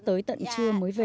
tới tận trưa mới về